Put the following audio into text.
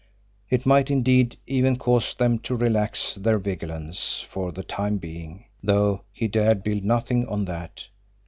It might, indeed, even cause them to relax their vigilance for the time being though he dared build nothing on that.